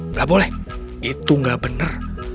nggak boleh itu nggak benar